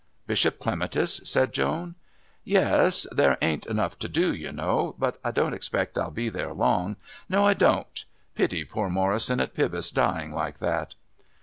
"Bishop Clematis?" said Joan. "Yes. There ain't enough to do, you know. But I don't expect I'll be there long. No, I don't.... Pity poor Morrison at Pybus dying like that."